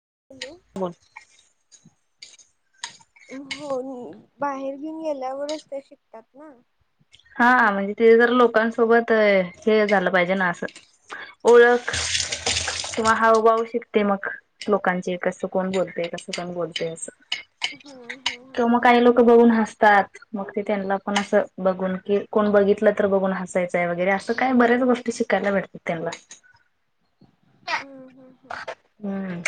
[unintelligible] बोल. हो नी बाहेर घेऊन गेल्यावरच ते शिकतात ना. हा म्हणजे ते जर लोकांसोबत हे झालं पाहिजे ना असं ओळख. [unintelligible] ते मग लोकांचे कस कोण बोलतेय कसं काण बोलतय असं हम्म त हम्म मग काही लोक बघून हास तात मग ते त्यांना पण असं बघून कि कोण बघितलं तर बघून हसायचंय वगैरे असं काय बऱ्याच गोष्टी शिकायला भेटतात त्यांना हम्म हम्म हम्म. हम्म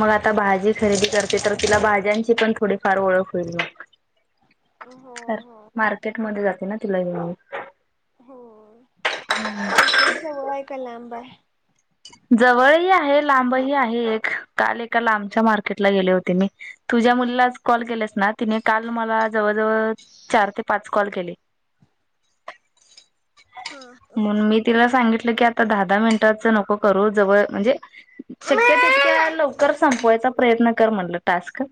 मग आता भाजी खरेदी करते तर तिला भाज्यांची पण थोडीफार ओळख होईल हो मग हो मार्केटमध्ये जाते ना तला म हो. मार्केट जवळ आहे का लांब आहे? जवळही आहे लांब ही आहे एक. काल एका लांबच्या मार्केटला गेले होते मी. तु ज्या मुलीला आज कॉल केलेस ना, तिने काल मला जवळ जवळ चार ते पाच कॉल केले. हा म्हणून मी तिला सांगितलं की आ दहा दहा मिनटचं नको, करू. जवळ म्हणजे श्यक्यत लवकर संपयचा प्रयत्न कर म्हणल टास्क.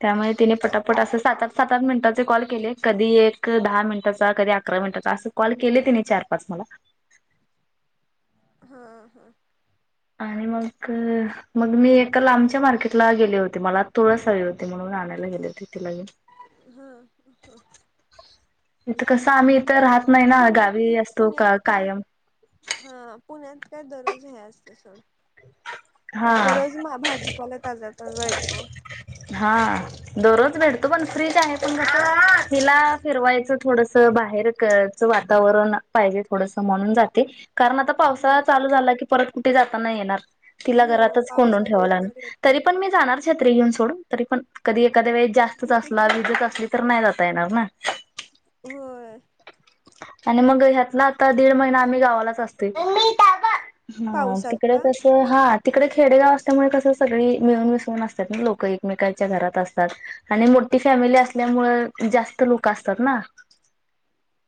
त्यामुळे तिने पटापट अस सात आठ, सात आठ मिनिट कॉल केले. कधी एक दहा मिनिटाचा कधी अकरा मिनिटाचा अस कॉल केले तिने चार पाच मला. हां हां. आणि मग मग मी एका लांबच्या मार्केटला गेले होते. मला तुळस हवी होती म्हणून आणायला गेले होते तिला घेऊन. हा इथं कसं आम्ही इथं राहत नाही ना पुण्यात गावी असतो का पुण्यात काय? कायम हा, पुण्यात काय दररोज हे असत सोड. हा, दररोज मा भाजीपाला ताजा ताजा येतो. हा दरोज भेटतो पण फ्रीच आहे. पण हिला फिरवायचं थोडस बाहेर कच वातावरण पाहिजे थोडस म्हणून जाते. कारण आता हम्म पावसाळा हम्म चालू झाला की परत कुठे जाता नाही येणार. तिला हो घरातच पाऊस कोंडून ठेवाव असल्यावर लागनार. येत तरी नाही पण कुठे मी जाणार छत्री घेऊन सोडून. तरी पण कधी एक कधी वेळ जास्तच असला विजच असली तर नाही जाता येणार ना. होय. आणि मग ह्यातला आता दीड महिना आम्ही गावालाच असतोय. हा पावसात तिकडे का तस, हा तिकडे खेडेगाव असल्यामुळे कसं सगळी मिळून मिसळून असतात ना. लोक एकमेकच्या घरात असतात आणि मोठी फॅमिली असल्यामुळे जास्त लोक असतात ना.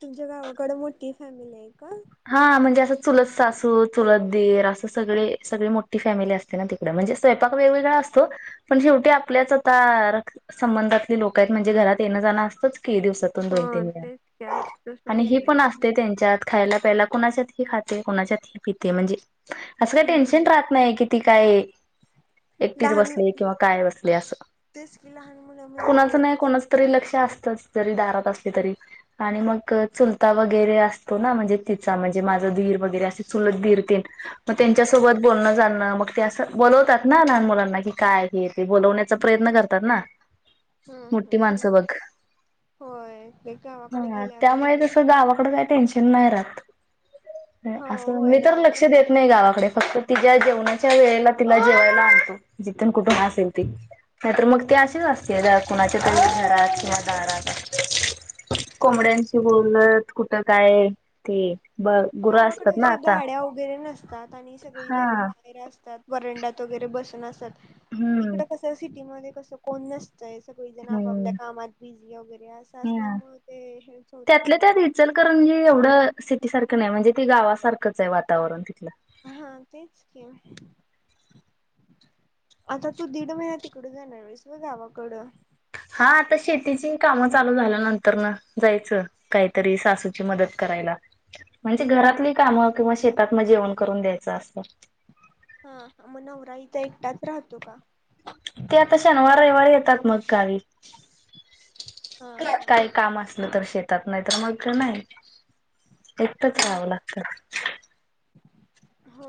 तुमच्या गावाकड मोठी फॅमिली आहे का? हा म्हणजे असं चुलत सासू, चुलत दीर असं सगळे सगळी मोठी फॅमिली असते ना तिकड. म्हणजे स्वयंपाक वेगवेगळा असतो, पण शेवटी आपल्याच आता रक् संबंधातली लोक आहेत. म्हणजे घरात येणं जाणं असतंच दिवसातून हो दोन तीन तेच वेळा. जास्त सोड आणि हे येण्याचं. पण असते त्यांच्यात खायला पहिला कूणाच्यात ही खाते कोणाच्यात ही पिते. म्हणजे, असं काय टेन्शन हम्म राहत नाही कि, ती काय एकटीच लहान बसली किंवा काय बसले असं. तेच की लहान मुलं म्हणजे कुणाच नाही कोणाच तरी लक्ष अस तस जरी दारात असल तरी आणि मग चुलता वगैरे असतो ना. म्हणजे तिचा म्हणजे माझा दीर वगैरे असे सुलत दीर ते, मग हम्म त्यांच्यासोबत बोलण चालणं मग ते असं बोलवतात ना लहान मुलांना. की काय हे ते बोलावण्याचा प्रयत्न करतात ना. हम्म मोठी हम्म माणसं बघ. होय ते गावाकडे हा गेल्यावर त्यामुळे तस असतेच गावाकडे काही टेन्शन नाही राहत. हो असं होय मी तर लक्ष गावाकडे काय देत नाही आठवण गावाकडे फक्त तिच्या जेवणा च्या वेळेला तिला जेवायला आणतो जिथून कुठून असेल ती. नाहीतर मग ती अशीच असते कुणाच्या त घरात किंवा दारात. कुठं कोंबड्यांशी बोलत कुठं काय? ते ब गुरं गावाकडे असतात ना अ आता गाड्या वगेरे नसतात आणि सगळी हा जण बाहेर असतात. वरंडात वगैरे बसून असात हम्म इकड कस आहे सिटीमध्ये कसं कोण सगळीजण आपापल्या हम्म कामात बिझी वगैरे असं ह असल्यामुळे ते हेच होत नाही त्यातल्या ना. त्यात इचलकरंजी एवढं सिटी सारखं नाही म्हणजे ते गावासारखंच आहे वातावरण तिथलं. हा तेच की, आता तू दीड महिना तिकडं जाणार आहेस व्हय गावाकड? हा आता शेतीची काम चालू झाल्यानंतर न जायचं. काहीतरी सासू मदत करायला म्हणजे घरातली काम किंवा शेतात म जेवण करून द्यायचं असत. हा मग नवरा इथं एकटाच राहतो का? ते ते आता शनिवार रविवार येतात मग गावी. हा हा काय काम असलं तर. येतात नाहीतर मग नाही. एकटच राहावं हम्म लागतं. हो.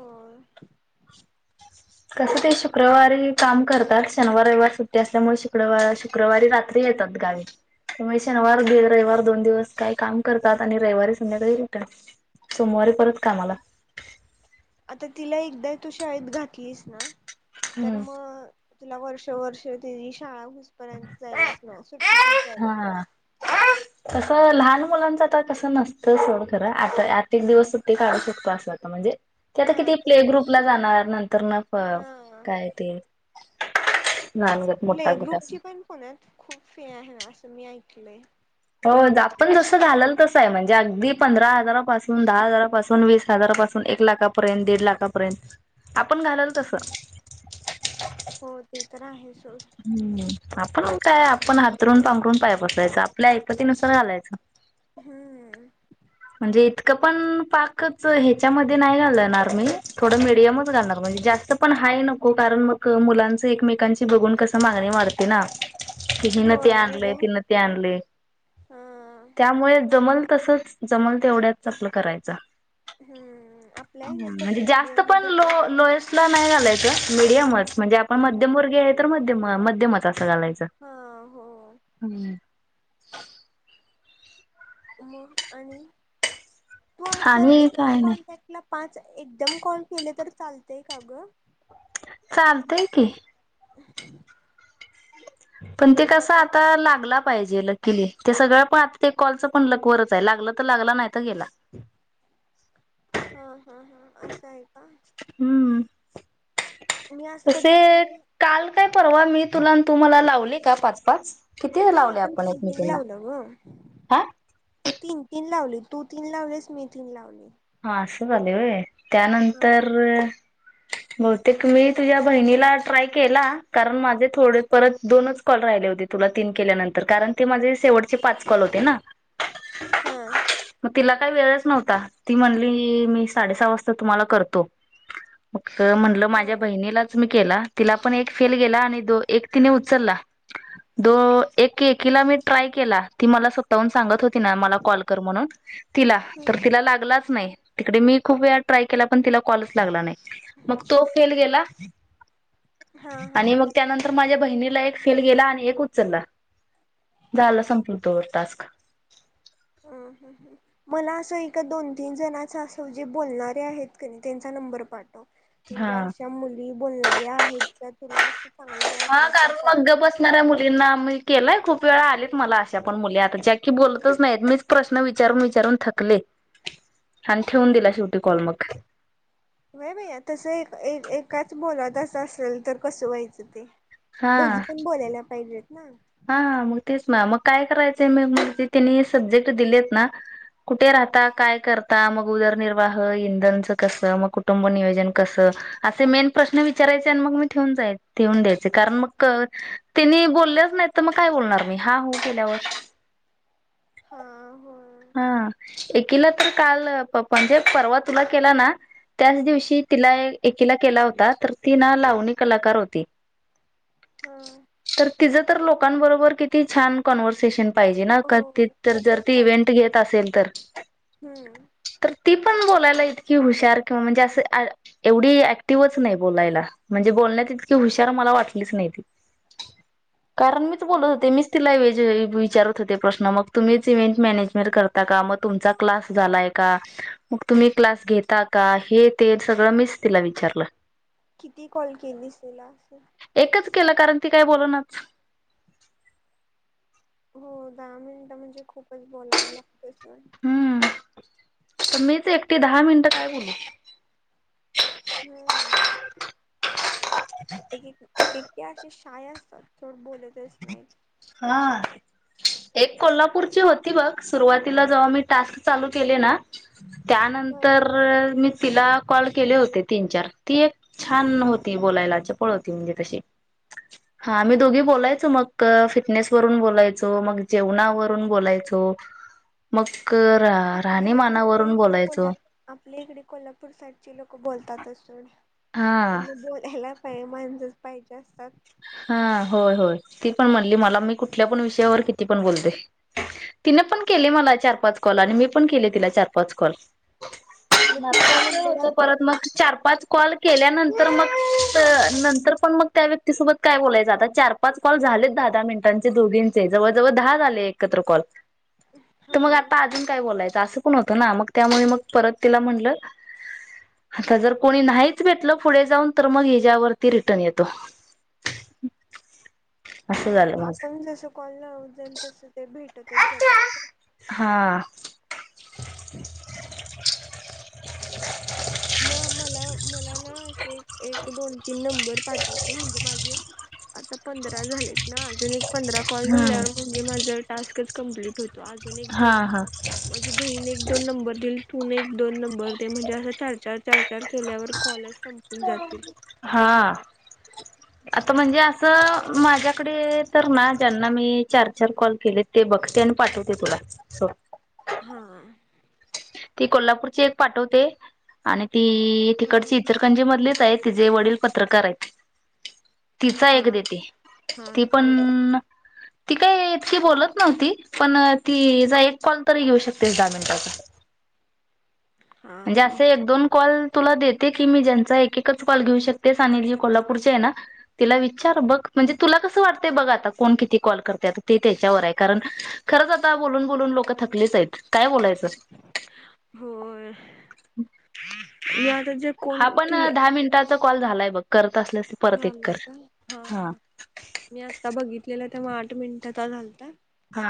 कसं ते शुक्रवारी काम करतात शनिवार रविवार सुट्टी असल्यामुळे शुक्रवार शुक्रवारी रात्री येतात गावी त्यामुळे शनिवार गेल रविवार दोन दिवस काही काम करतात आणि रविवारी संध्याकाळी भेटात सोमवारी परत कामाला आता तिला एक द तू शाळेत घातलीस ना तर हम्म मग तुला वर्ष वर्ष त शाळा हुसपर्यंत जायलाच मिळा सुट्टीतच जायला मिळा. हा. लहान मुलांचं आ कसं नसतं सोड खरं आ आत एक दिवस सुट्टी काढू शकतो, असं आता म्हणजे ते आता हा किती ते प्ले पण ग्रुपला जाणार नंतर ना हा काय ते लहान गट मोठा प्ले गट असं. ग्रुपची पण पुण्यात खूप फि आहे ना असं मी ऐकलंय. हो आपण जसं झालंल तसं आहे म्हणजे अगदी पंधरा हजारापासून, दहा हजारापासून, वीस हजारापासून, एक लाखापर्यंत, दीड लाखापर्यंत आपण घालल तसं. हो ते तर आहेत. हम्म. आपण काय आपण हातरून पांबरून पाय बसरायचं आपल्या आईपती नुसर घालायचं. हम्म. म्हणजे इतकं पण पाकच ह्याच्यामध्ये नाही घालणार मी थोडं मीडियमच घालणार म्हणजे, जास्त पण हाय नको कारण मग मुलांच एकमेकांची बघून कस मागणी वाढते ना. कि हि न ते होय आणले मीडियम तिन ते आणले हा त्यामुळे जमल तसंच. जमल तेवढ्याच आपलं करायचं. हम्म -आपल्या आहेत म्हणजे कसं जास्त मीडियम पण मध्ये- लो लोएस्ट नाही घालायच. मीडयमच म्हणजे आपण मध्यमवर्गीय आहे तर म मध्यमच- घालायचं. हा हो हं. मग आणि? तू अस आणि एकाच काय नाही कॉन्टॅक्ट ला- पाच एकदम कॉल केले तर चालतय का ग? चालतय की. पण ते कस आता लागला- पाहिजे लकीली. ते सगळं पण आ ते कॉलच पण लक वरच आहे. लागला तर लागला नाही तर गेला. हा हा हा असं आहे का? हम्म मी असं कधी कुणाला तसे- काल काय- परवा मी- तुला तू मला लावले का पाच पाच? किती नाही लावले आपण तीन तीन एकमेकिंना लावलं ग हा? तीन तीन लावली तू तीन लावलेस. मी तीन लावले. हा असं झालय होय. हा त्यानंतर- बहुतेक मी तुझ्या बहिणीला ट्राय केला कारण माझे थोडे परत दोनच कॉल राहिले होते. तुला तीन केल्यानंतर कारण ते माझे शेवटचे पाच कॉल होते ना? हम. मग तिला काही वेळच नव्हता. ती म्हणली, मी साडेसहा वाजता तुम्हाला करतो. त म्हटलं हा माझ्या बहिणीलाच मी केला. तिला पण एक फेल गेला आणि दो एक तिने उचलला दो एककीला मी ट्राय केला ती मला स्वतःहून सांगत होती - ति मला कॉल कर म्हणून तिला, तर हम्म तिला लागला- नाही. तिकडे मी खूप वेळा ट्राय केला पण तिला कॉलच लागला नाही. मग तो फेल गेला- हा एक हा आणि हा मग त्यानंतर माझ्या- बहिणीला एक फेल गेला आणि एक उचलला. झाल संपल द टास्क. हं हं हं. मला असं एका दोन तीन जणाच, असं जे बोलणारे आहेत का नाही त्यांचा नंबर पाठ - हा म्हणजे अशा मुली- बोलणाऱ्या आहेत. त्या तुला असं - हा. कारण मग गप बसणाऱ्या मुलींना मी - केलाय खूप वेळा आलेत मला, अशा पण मुली आता ज्या की बोलतच नाहीत. मी प्रश्न विचारून विचारून थकले. आणि ठेवून दिलाय व्हय भैया तस एक एक एक- काच बोलायचं असेल तर कसं व्हायचं ते? दोघी पण बोलायला पाहिजेत. नाही हाा मग तेच म मग काय करायच म मग जे तिने सब्जेक्ट दिलेत ना कुठे राहता, काय करता, मग उदरनिर्वाह, इंधनच कसं, मग कुटुंब नियोजन कसं, असे मेन प्रश्न विचारायचे आणि मग मी ठेवून जाय ठेवून द्यायचे कारण मग तिनी बोललेच नाही. तर मग काय बोलणार मी हा हू केेल्यावर हा हो हा एकीला तर काल म्हणजे परवा तुला केला ना त्याच दिवशी तिला एकीला केला होता तर ती ना लावणी कलाकार होती हा तर तिचं तर लोकांबरोबर किती छान कॉन्व्हर्सेशन पाहिजे ना हो तर जर खूपच त इव्ं पाहिजे घेत असेल हम्म तर ती पण बोलायला इतकी हुशार किं म्हणजे अस एवढी ऍक्टिव्हच नाही बोलायला म्हणजे बोलण्यात इतकी हुशार मला वाटलीच नाही ती? कारण मीच बोलत होते हम्म मीच तिला विचारत हो प्रश्न मग तुम्च इव्ंट मॅनेज करता का? म तुम क्लास झालाय का? मग तुम्ही क्लास घेता का? हे, ते, सगळ मीच तिला विचारलं. किती कॉल केली तिला असं? एकच केलं कारण ती काय बोलणंच? हो दहा मिनिटं म्हणजे खूप बोलावं लागत सोड हम्म तर मीच एकटी दहा मिनिटं काय बोलू? हम्म एक एक एक एकी असशीे शाय थोड बोले तेच नाही हा एक कोल्हापूरची होती बघ सुरुवातीला जेव्हा मी टास्क चालू केले ना? हा त्यानंतर मी तिला कॉल केले होते तीन चार ती एक छान होती बोलायला चपळ होती म्हणजे तशी हा आमही दोघी बोलायच मग फिटनेस वरून बोलायचो मग, जेवणावरून बोलायचो मग आपले आपल्या राहणीमानावरून इकड बोलायचो कोल्हा आपल्या इकडे कोल्हापूर साईडची लोक बोलतात तात सड हा त्यांनी बोलायला पा [unintelligible] पाहिजे असतात. हा होय होय ती पण म्हणली मला मी कुठल्या पण विषयावर किती पण बोलते तिने पण केले हं. मला चार पाच कॉल आणि मी पण केले तिला चार पाच कॉल. मग तिचा नंबर होत असेल परत तर मग चार पाच कॉल? केल्यानंतर मग नंतर पण मग त्या त सोबत काय बोलायचं आता चार पाच कॉल झालेत दहा दहा मिनिटांचे दोघींचे. जवळजवळ दहा झाले एकत्र कॉल. तर हा मग आता अजून काय बोलायचं असं होत ना मग त्यामुळे म परत तिला म्हणल. आता जर कोणी नाहीच भेटल पुढ जाऊन तर मग हच्यावरती रिटर्न येतो. असं झालं ह माझं आपण जस कॉल लावत जाईल तसं ते भेटतच जात [unintelligible] हा मग मला मला ना असे एक दोन तीन नंबर पाठव ते म्हणजे माझे आता पंधरा झालेत ना, अजून एक पंधरा कॉल हम्म झाल्यावर म्हणजे माझं टास्कच कम्प्लीट होतो आज एक हा दोन हा माझी बहीण एक दोन नंबर दिल तूून एक दोन नंबर ते म्हणजे असं चाल चारचार केल्यावर कॉलच सं हा. आता म्हणजे असं माझ्याकडे तर ना ज्यांना मी चार चार कॉल केले ते बघते आणि पाठवते तुला सोड. हा. ती कोल्हापूरची एक पाठवते, आणि ती तिकडची हा इचरकंजी मधलीच आहे तिचेे वडील पत्रकार आहेत. तिचा हा एक देते. ती पण ती काय इतकी बोलत नव्हती. पण तिजा एक कॉल तरी घेऊ शकतेस दहा मिनिटाचा. हा म्हणजे हा असे एक दोन कॉल तुला देते की मी ज्यांचा एक एकच कॉल घेऊ शकतेस आणि जी कोल्हापूरचे आहे ना, तिला विचार बघ म्हणजे तुला कसं वाटतय बघ आता कोण किती कॉल करते किती त्याच्यावर आहे कारण खरंच आता बोलून बोलून लोक थकलीच आहेत काय बोलायचं. होय. या. हा पण दहा मिनिटाचा कॉल झालाय बग कर झालय काय? हा हा. मी आता बघितलेलं तेव्हा आठ मिनिटाचा झालता. हा.